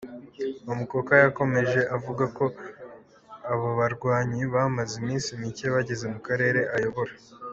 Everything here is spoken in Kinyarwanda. Bamukoka yakomeje avuga ko abo barwanyi bamaze iminsi mike bageze mu karere ayobora.